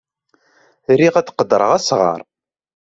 Riɣ ad qeddreɣ asɣar.